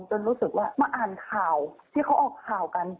รู้สึกว่ามาอ่านข่าวที่เขาออกข่าวกัน